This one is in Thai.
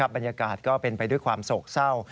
บรรยากาศก็เป็นไปด้วยความโศกเศร้า